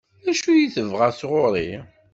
D acu i tebɣa sɣur-i?